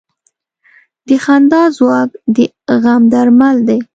د خندا ځواک د غم درمل دی.